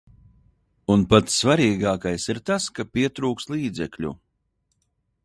Un pats svarīgākais ir tas, ka pietrūkst līdzekļu.